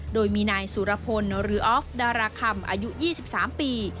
โดยมีนายสุรพลหรือออฟดาราคำอายุ๒๓ปี